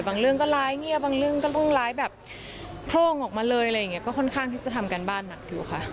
เรื่องก็ร้ายเงียบบางเรื่องก็ต้องร้ายแบบโพร่งออกมาเลยอะไรอย่างนี้ก็ค่อนข้างที่จะทำการบ้านหนักอยู่ค่ะ